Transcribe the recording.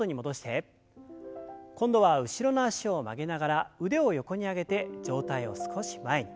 今度は後ろの脚を曲げながら腕を横に上げて上体を少し前に。